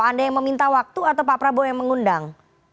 anda yang meminta waktu atau pak prabowo yang mengundang